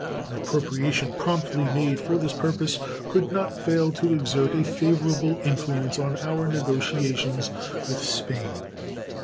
An appropriation promptly made for this purpose could not fail to exert a favorable influence on our negotiations with Spain.